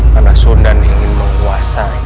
karena sunan ingin menguasai